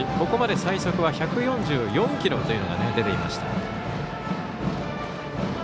ここまで最速は１４４キロというのが出ていました。